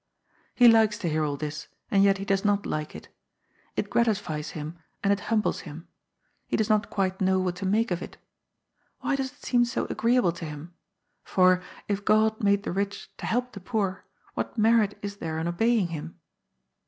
He likes to hear all this, and yet he does not like it. It gratifies him, and it humbles him. He does not quite know what to make of it. Why does it seem so agreeable to him ? For, if God made the rich to help the poor, what merit is there in obeying Him